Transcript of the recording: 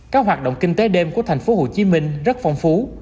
các hoạt động kinh tế đêm của tp hcm rất phong phú